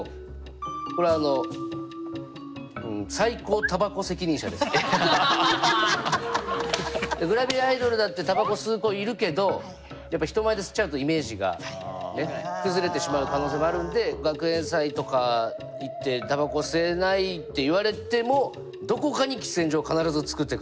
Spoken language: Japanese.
これはあのうんグラビアアイドルだってタバコ吸う子いるけどやっぱ人前で吸っちゃうとイメージが崩れてしまう可能性もあるんで学園祭とか行ってタバコ吸えないって言われてもどこかに喫煙所を必ず作ってくれる。